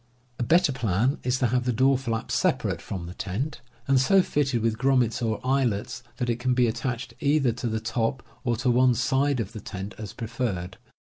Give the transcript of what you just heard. A better plan is to have the door flap separate from the tent, and so fitted with grommets or eyelets that it can be attached either to the top or to one side of the tent, as preferred.